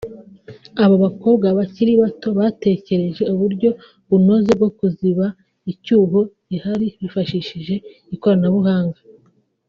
aba bakobwa bakiri bato batekereje uburyo bunoze bwo kuziba icyuho gihari bifashishije ikoranabuhanga